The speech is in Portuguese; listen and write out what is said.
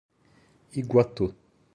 Iguatu